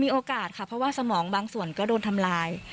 โอกาสค่ะเพราะว่าสมองบางส่วนก็โดนทำลาย